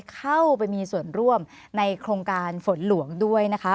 เข้าไปมีส่วนร่วมในโครงการฝนหลวงด้วยนะคะ